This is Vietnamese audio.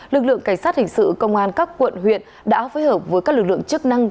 lực lượng cảnh sát hình sự công an các quận huyện đã phối hợp với các lực lượng chức năng